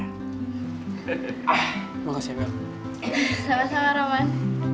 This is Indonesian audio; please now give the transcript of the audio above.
hai ah makasih sama sama roman